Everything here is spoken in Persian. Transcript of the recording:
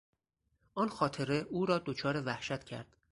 آن خاطره او را دچار وحشت کرد.